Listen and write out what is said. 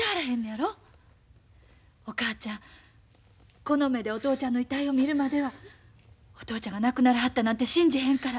お母ちゃんこの目でお父ちゃんの遺体を見るまではお父ちゃんが亡くならはったなんて信じへんから。